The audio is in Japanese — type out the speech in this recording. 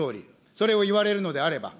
それを言われるのであれば。